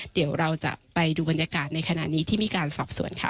เดี๋ยวเราจะไปดูบรรยากาศในขณะนี้ที่มีการสอบสวนค่ะ